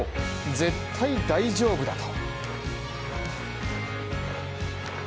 絶対大丈夫だと。